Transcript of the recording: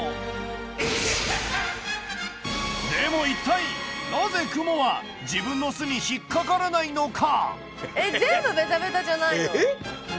でも一体なぜクモは自分の巣に引っかからないのか！？